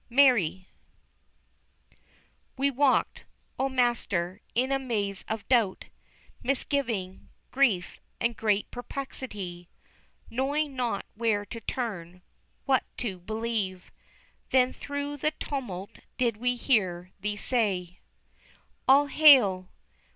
MARY. We walked, O Master, in a maze of doubt, Misgiving, grief, and great perplexity, Knowing not where to turn, what to believe, Then, through the tumult did we hear Thee say, 'All Hail!